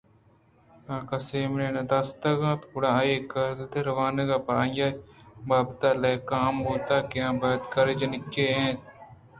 اگاں کسے ءَ ایمیلیا نہ دیستگ اَت گُڑا اے کاگد ءِ وانگ ءَ پد آئی ءِ بابت ءَ لیکہ ہمے بوت کہ آبدکاریں جنکے اِنت